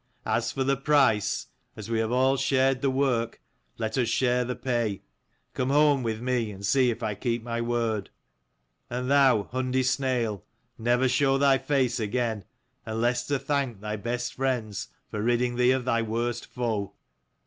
As for the price, as we have all shared the work, let us share the pay. Come home with me and see if I keep my word. And thou, Hundi Snail, never show thy face again, unless to thank thy best friends for ridding thee of thy worst foe.